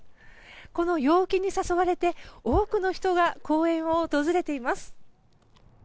この陽気に誘われて、多くの人が公園を訪れています。